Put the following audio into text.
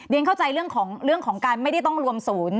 เข้าใจเรื่องของการไม่ได้ต้องรวมศูนย์